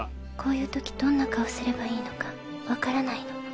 こういうときどんな顔すればいいのか分からないの」